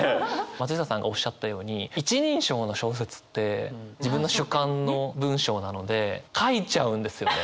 松下さんがおっしゃったように１人称の小説って自分の主観の文章なので書いちゃうんですよね。